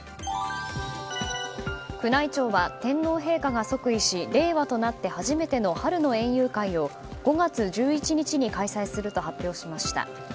宮内庁は天皇陛下が即位し令和となって初めての春の園遊会を５月１１日に開催すると発表しました。